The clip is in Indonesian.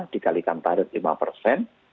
dikalikan tarif lima persen